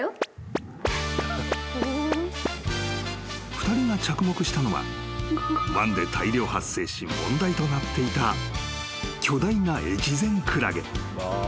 ［２人が着目したのは湾で大量発生し問題となっていた巨大な］